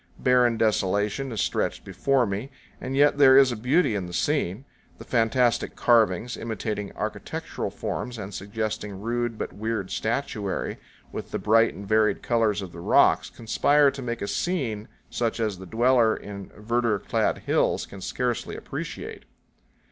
Barren desolation is stretched before me; and yet there is a beauty in the scene. The fantastic carvings, imitating architectural forms and suggesting rude but weird FROM GREEN RIVER CITY TO FLAMING GORGE. 125 statuary, with the bright and varied colors of the rocks, conspire to make a scene such as the dweller in verdure clad hills can scarcely appreciate.